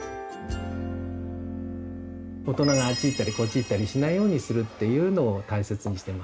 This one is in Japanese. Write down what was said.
大人があっち行ったりこっち行ったりしないようにするっていうのを大切にしてます。